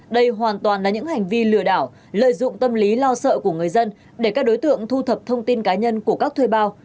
đây hoàn toàn là những hành vi lừa đảo lợi dụng tâm lý lo sợ của người dân để các đối tượng thu thập thông tin cá nhân của các thuê bao